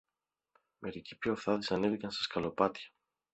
Μερικοί πιο αυθάδεις ανέβηκαν στα σκαλοπάτια